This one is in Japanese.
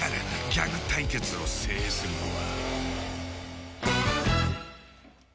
ギャグ対決を制するのは。